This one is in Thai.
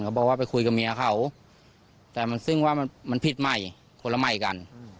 บอกว่าไปคุยกับเมียเขาแต่มันซึ่งว่ามันผิดใหม่คนละใหม่กัน